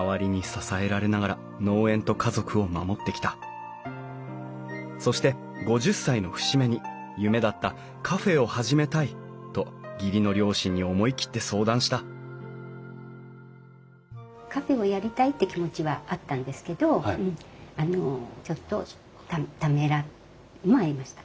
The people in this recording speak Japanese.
実は風間啓紗子さんの夫でそして５０歳の節目に夢だったカフェを始めたいと義理の両親に思い切って相談したカフェをやりたいって気持ちはあったんですけどちょっとためらいもありました。